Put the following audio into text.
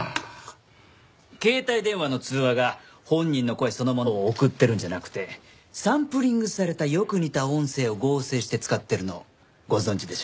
携帯電話の通話が本人の声そのものを送ってるんじゃなくてサンプリングされたよく似た音声を合成して使ってるのご存じでしょう？